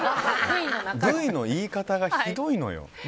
Ｖの言い方がひどいのよ。